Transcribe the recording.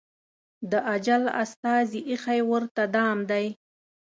د اجل استازي ایښی ورته دام دی